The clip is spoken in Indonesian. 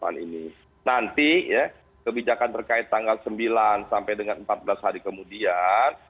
nanti kebijakan terkait tanggal sembilan sampai dengan empat belas hari kemudian